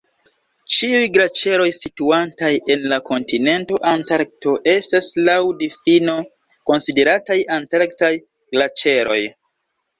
Ĉiuj glaĉeroj situantaj en la kontinento Antarkto estas laŭ difino konsiderataj Antarktaj glaĉeroj.